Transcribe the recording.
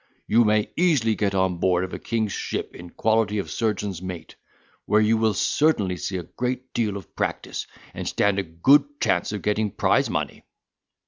You may easily get on board of a king's ship in quality of surgeon's mate, where you will certainly see a great deal of practice, and stand a good chance of getting prize money."